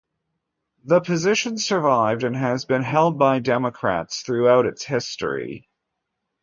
The position survived, and has been held by Democrats throughout its history.